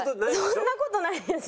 そんな事ないですよ。